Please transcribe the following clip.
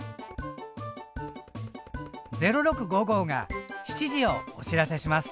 「０６」が７時をお知らせします。